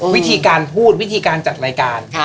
วิธีการพูดวิธีการจัดรายการ